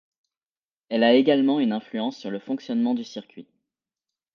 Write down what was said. Elle a également une influence sur le fonctionnement du circuit.